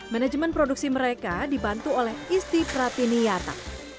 manajemen produksi mereka dibantu oleh isti pratini yata